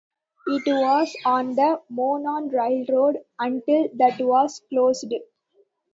It was on the Monon Railroad until that was closed.